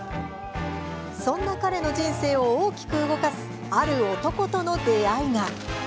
そんな彼の人生を大きく動かすある男との出会いが。